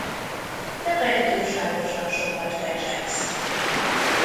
Te meg túlságosan sokat fecsegsz!